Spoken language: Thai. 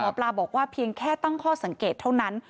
ปลาบอกว่าเพียงแค่ตั้งข้อสังเกตเท่านั้น